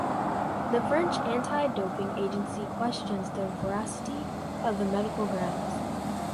The French anti-doping agency questions the veracity of the medical grounds.